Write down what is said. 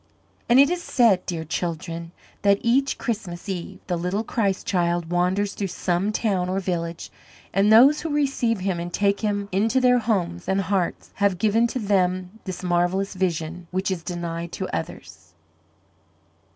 And it is said, dear children, that each Christmas Eve the little Christ Child wanders through some town or village, and those who receive him and take him into their homes and hearts have given to them this marvellous vision which is denied to others.